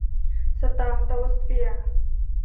สตราโตสเฟียร์